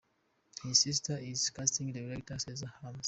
His sister is casting director Nessa Hyams.